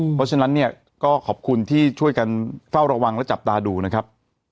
เพราะฉะนั้นเนี่ยก็ขอบคุณที่ช่วยกันเฝ้าระวังและจับตาดูนะครับ